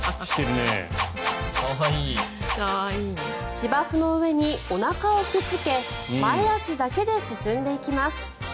芝生の上におなかをくっつけ前足だけで進んでいきます。